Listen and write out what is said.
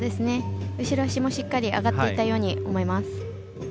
後ろ足もしっかり上がっていたように思います。